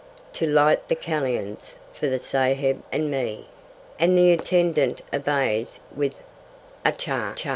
To light the kallians for the Saheb and me, and the attendant obeys with 'Achcha!